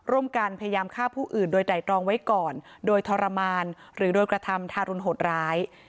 ร่วมกันพยายามฆ่าผู้อื่นโดยไตรตรองไว้ก่อนโดยทรมานหรือโดยกระทำทารุณโหดร้าย